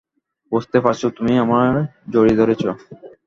বুঝতে পারছো তুমি আমায় জড়িয়ে ধরেছ?